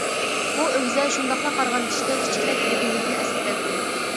بۇ ئۆگزە شۇنداقلا قارىغان كىشىگە كىچىكرەك بىر گۈللۈكنى ئەسلىتەتتى.